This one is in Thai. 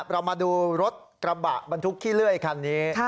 เรามาดูรถกระบะบรรทุกขี้เลื่อยคันนี้